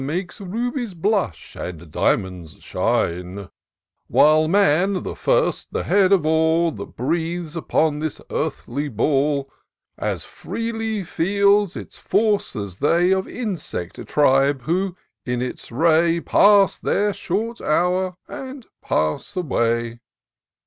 Makes rubies blush, and di'monds shine : While man, the first, the head of all That breathes upon this earthly ball. IN SEARCH OF THE PICTURESQUE. 209 As freely feels its force as they Of insect tribe, who, in its ray. Pass their short hour, and pass away.